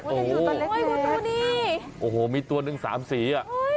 โอ้โหมีตัวหนึ่ง๓สีอะโอ้โหมีตัวนึง๓สีอะนี่